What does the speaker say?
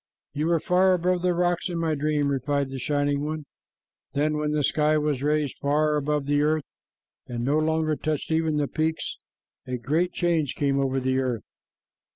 "You were far above the rocks in my dream," replied the Shining One. Then when the sky was raised far above the earth and no longer touched even the peaks, a great change came over the earth.